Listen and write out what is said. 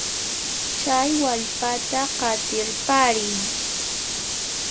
Chay wallpata qatirpariy.